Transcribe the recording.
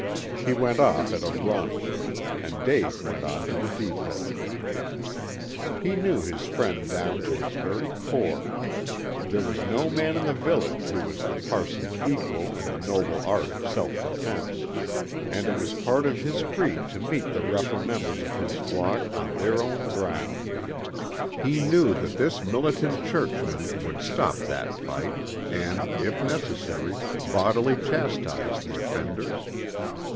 He went off at a run, and Dave went on to the depot. He knew his friend down to his very core. There was no man in the village who was the parson's equal in the noble art of self defense. And it was part of his creed to meet the rougher members of his flock on their own ground. He knew that this militant churchman would stop that fight, and, if necessary, bodily chastise the offenders.